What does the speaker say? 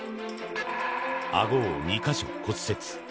あごを２か所骨折。